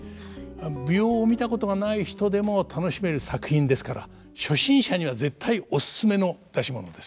舞踊を見たことがない人でも楽しめる作品ですから初心者には絶対おすすめの出し物です。